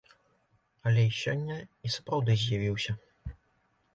Алей сёння і сапраўды з'явіўся.